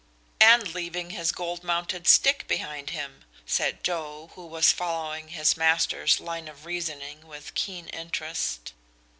"And leaving his gold mounted stick behind him," said Joe, who was following his master's line of reasoning with keen interest.